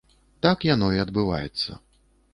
Так яно і адбываецца.